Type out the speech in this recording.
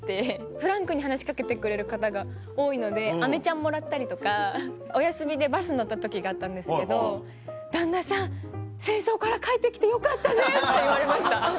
フランクに話し掛けてくれる方が多いのであめちゃんもらったりとかお休みでバス乗った時があったんですけど「旦那さん戦争から帰って来てよかったね」って言われました。